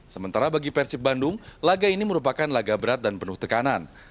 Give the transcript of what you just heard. sementara bagi persib bandung laga ini merupakan laga berat dan penuh tekanan